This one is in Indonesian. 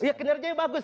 iya kinerjanya bagus